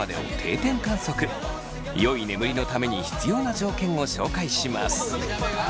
よい眠りのために必要な条件を紹介します。